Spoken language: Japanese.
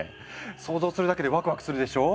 想像するだけでワクワクするでしょ？